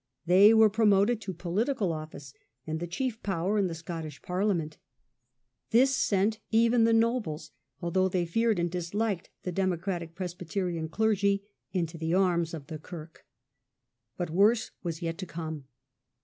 They were promoted to political office, and the chief power in the Scottish Parliament. This sent even the nobles, although they feared and disliked the democratic Presbyterian clergy, into the arms of the kirk. But worse was yet to come.